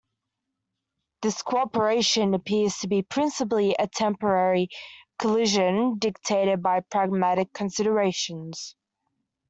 This co-operation appears to be principally a temporary coalition dictated by pragmatic considerations.